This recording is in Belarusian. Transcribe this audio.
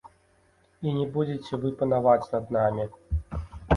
І не будзеце вы панаваць над намі.